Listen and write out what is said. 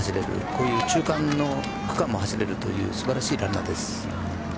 こういう中間の区間も走れるという素晴らしいランナーです。